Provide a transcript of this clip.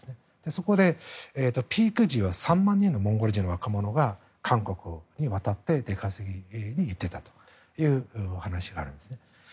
そこでピーク時は３万人のモンゴル人の若者が韓国に渡って出稼ぎに行っていたという話があるんですね。